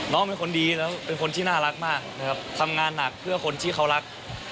น้องเป็นคนดีแล้วเป็นคนที่น่ารักมากนะครับทำงานหนักเพื่อคนที่เขารัก